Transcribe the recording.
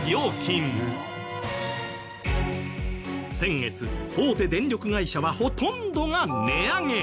先月大手電力会社はほとんどが値上げ。